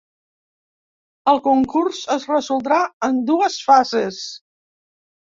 El concurs es resoldrà en dues fases.